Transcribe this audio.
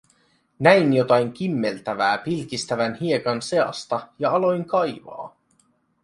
Näin jotain kimmeltävää pilkistävän hiekan seasta ja aloin kaivaa.